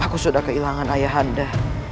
aku sudah kehilangan ayah anda